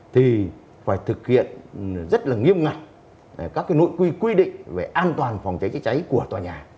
thì phải thực hiện rất nghiêm ngặt các nội quy định về an toàn phòng cháy cháy cháy của tòa nhà